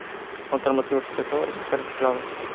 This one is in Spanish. Con tal motivo, expresó: “"Es un cargo clave.